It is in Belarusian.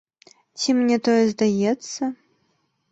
Ці мне тое здаецца?